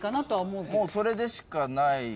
もうそれでしかないかな。